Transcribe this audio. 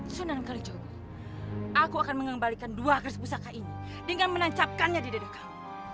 sunan kalijewa aku akan mengembalikan dua keris pusaka ini dengan menancapkannya di dedah kamu